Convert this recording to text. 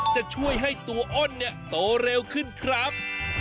จะช่วยให้ตัวอ้นเนี่ยโตเร็วขึ้นครับ